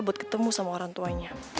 buat ketemu sama orang tuanya